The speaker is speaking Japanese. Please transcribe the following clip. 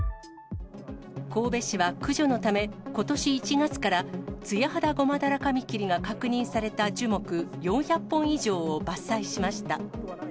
神戸市は駆除のため、ことし１月からツヤハダゴマダラカミキリが確認された樹木４００本以上を伐採しました。